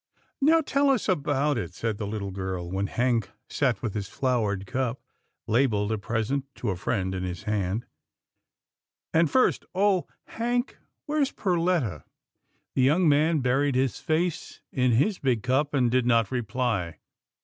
" Now tell us about it," said the little girl, when Hank sat with his flowered cup, labelled " A Pres ent To A Friend," in his hand, " and first, oh Hank — Where's Perletta? " The young man buried his face in his big cup, and did not reply.